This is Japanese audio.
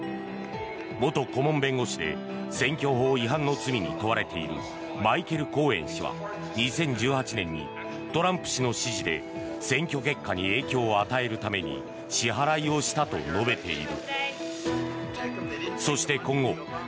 元顧問弁護士で選挙法違反の罪に問われているマイケル・コーエン氏は２０１８年にトランプ氏の指示で選挙結果に影響を与えるために支払いをしたと述べている。